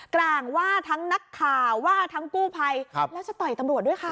กลางว่าทั้งนักข่าวว่าทั้งกู้ภัยแล้วจะต่อยตำรวจด้วยค่ะ